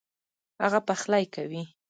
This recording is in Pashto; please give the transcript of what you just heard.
هغه پخلی کوي